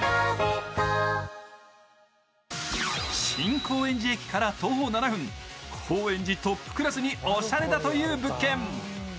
新高円寺駅から徒歩７分、高円寺トップクラスにオシャレだという物件。